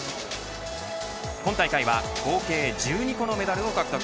今大会は合計１２個のメダルを獲得。